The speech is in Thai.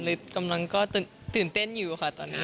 กำลังก็ตื่นเต้นอยู่ค่ะตอนนี้